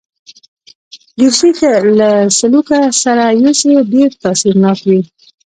دریشي که له سلوکه سره یوسې، ډېر تاثیرناک وي.